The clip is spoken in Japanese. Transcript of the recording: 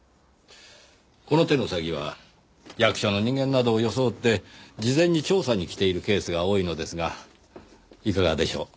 この手の詐欺は役所の人間などを装って事前に調査に来ているケースが多いのですがいかがでしょう？